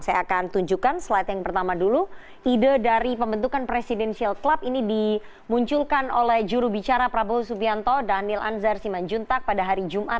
saya akan tunjukkan slide yang pertama dulu ide dari pembentukan presidential club ini dimunculkan oleh jurubicara prabowo subianto daniel anzar simanjuntak pada hari jumat